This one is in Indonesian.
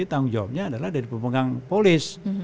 tanggung jawabnya adalah dari pemegang polis